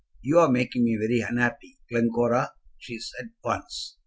"You are making me very unhappy, Glencora," she said once.